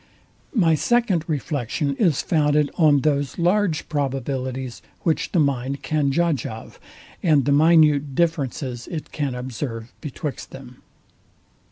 My second reflection is founded on those large probabilities, which the mind can judge of, and the minute differences it can observe betwixt them.